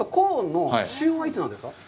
ちなみに、コーンの旬はいつなんですか。